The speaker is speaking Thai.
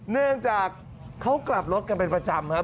เนื่องจากเขากลับรถกันเป็นประจำครับ